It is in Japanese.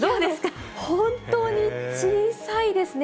本当に小さいですね。